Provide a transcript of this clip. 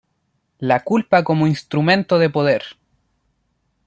La culpa como instrumento de poder.